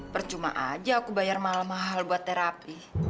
percuma aja aku bayar mahal mahal buat terapi